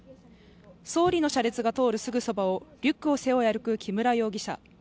総理の車列が通るすぐそばをリュックを背負い歩く木村容疑者。